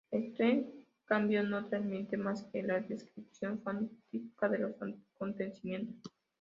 La historia, en cambio, no transmite más que la descripción fáctica de los acontecimientos.